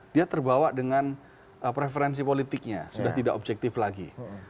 dia terbawa dengan preferensi politiknya sudah tidak objektif lagi